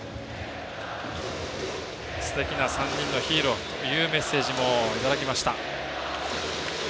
すてきな３人のヒーローというメッセージもいただきました。